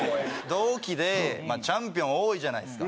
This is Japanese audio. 同期でチャンピオン多いじゃないですか。